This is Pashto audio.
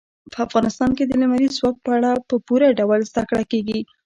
په افغانستان کې د لمریز ځواک په اړه په پوره ډول زده کړه کېږي.